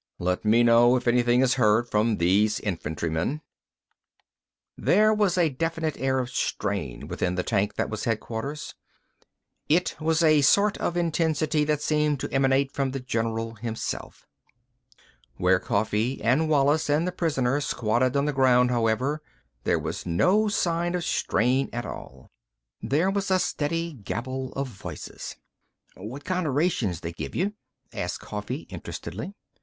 "Let me know if anything is heard from these infantrymen...." There was a definite air of strain within the tank that was headquarters. It was a sort of tensity that seemed to emanate from the general himself. Where Coffee and Wallis and the prisoner squatted on the ground, however, there was no sign of strain at all. There was a steady gabble of voices. "What kinda rations they give you?" asked Coffee interestedly.